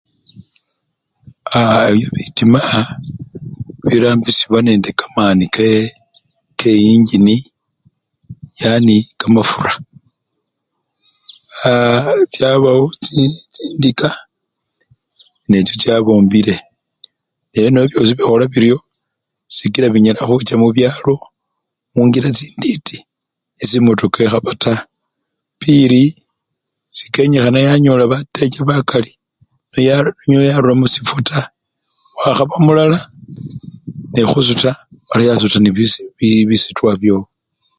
A! eliwo bitima birambisyibwa nende kamani ke inchini yani kamafura aa! chabawo chi! chindika necho chabombile, ebyo nabyo byosi bikhola biryo sikila binyala khucha mubyalo khungila chintiti esi emotoka ekhaba taa, pili, sekenyikhana yanyola batecha bakali neya! niyarura musifwo taa, wakhaba mulala nekhusuta mala yasuta nebisu! bisutwa byowo.